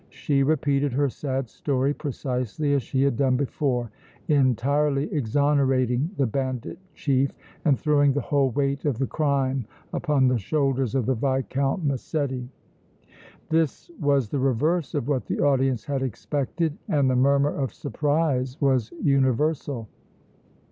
She repeated her sad story precisely as she had done before, entirely exonerating the bandit chief and throwing the whole weight of the crime upon the shoulders of the Viscount Massetti. This was the reverse of what the audience had expected and the murmur of surprise was universal.